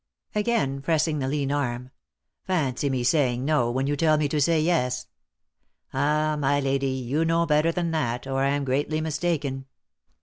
(again pressing the lean arm.) " Fancy me saying no, when you tell me to say yes ! Ah ! my lady, you know better than that, or I am greatly mistaken."